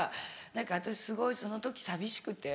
何か私すごいその時寂しくて。